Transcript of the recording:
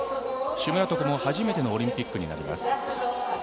シュムラトコも初めてのオリンピックになります。